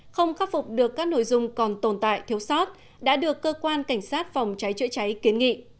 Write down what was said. không khắc phục được các nội dung còn tồn tại thiếu sót đã được cơ quan cảnh sát phòng cháy chữa cháy kiến nghị